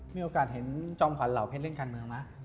มีโอกาสเห็นจอมขวัญเหล่าเพชรเล่นการเมืองไหม